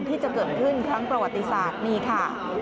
ที่จะเกิดขึ้นครั้งประวัติศาสตร์นี่ค่ะ